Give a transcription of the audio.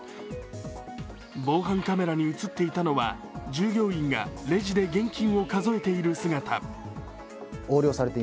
防犯カメラに映っていたのは従業員がレジで現金を数えている姿。